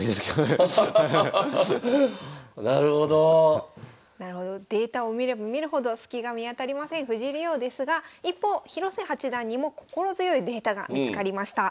なるほどデータを見れば見るほど隙が見当たりません藤井竜王ですが一方広瀬八段にも心強いデータが見つかりました。